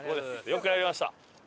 よくやりました。